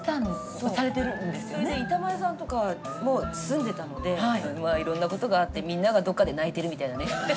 それで板前さんとかも住んでたのでいろんなことがあってみんながどっかで泣いてるみたいなね。